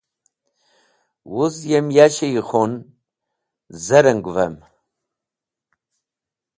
Wuz yem yash-e yikhun zerang’vem.